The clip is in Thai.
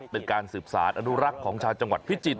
เป็นการสืบสารอนุรักษ์ของชาวจังหวัดพิจิตร